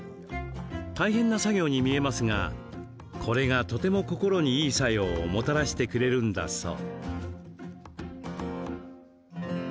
大変な作業に見えますがこれが、とても心に、いい作用をもたらしてくれるんだそう。